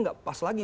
tidak pas lagi